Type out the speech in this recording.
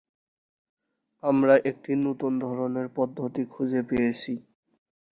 আমরা একটি নতুন ধরনের পদ্ধতি খুঁজে পেয়েছি।